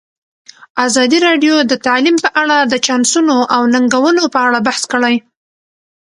ازادي راډیو د تعلیم په اړه د چانسونو او ننګونو په اړه بحث کړی.